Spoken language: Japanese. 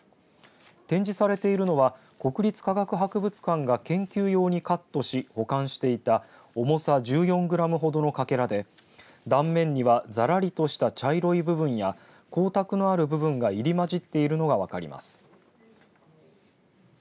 展示されているのは国立科学博物館が研究用にカットし保管していた重さ１４グラムほどのかけらで断面には、ざらりとした茶色い部分や光沢のある部分が入り混じっているのが分かります。